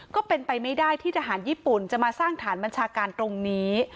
ก็เป็นไปไม่ได้ที่ทหารญี่ปุ่นจะมาสร้างฐานบัญชาการตรงนี้